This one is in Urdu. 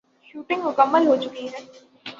شوٹنگ مکمل ہوچکی ہے